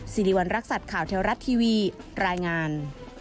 สิริวัณรักษัตริย์ข่าวเทวรัฐทีวีรายงาน